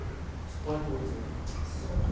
こうやって追い詰めていくということですね。